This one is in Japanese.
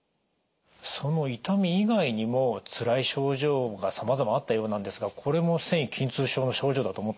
その痛み以外にもつらい症状がさまざまあったようなんですがこれも線維筋痛症の症状だと思っていいんですか？